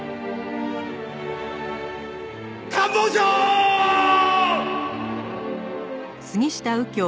官房長ーっ！！